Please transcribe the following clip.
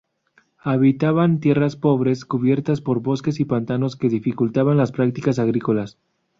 Habitaban tierras pobres cubiertas por bosques y pantanos, que dificultaban las prácticas agrícolas.